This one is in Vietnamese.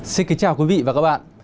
xin kính chào quý vị và các bạn